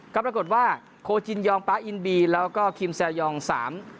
ก็ปรากฏว่าโคจินยองป๊าอินบีแล้วก็คิมแซยองสาม